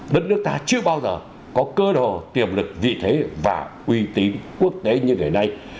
đất nước ta chưa bao giờ có cơ đồ tiềm lực vị thế và uy tín quốc tế như ngày nay